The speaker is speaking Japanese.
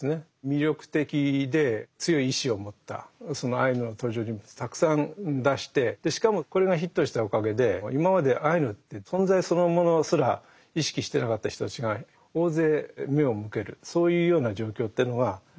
魅力的で強い意志を持ったそのアイヌの登場人物たくさん出してしかもこれがヒットしたおかげで今までアイヌって存在そのものすら意識してなかった人たちが大勢目を向けるそういうような状況というのが出てきたってことは確かです。